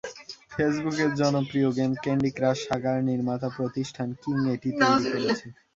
ফেসবুকের জনপ্রিয় game Candy Crush Saga নির্মাতা প্রতিষ্ঠান কিং এটি তৈরি করেছে।